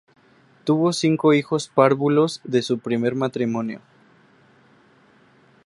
Tuvo cinco hijos párvulos de su primer matrimonio.